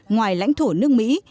ngoài lãnh thổ nước mỹ